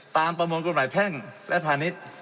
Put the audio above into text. ประมวลกฎหมายแพ่งและพาณิชย์